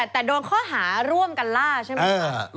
แต่โดนข้อหาร่วมกันล่าใช่ไหม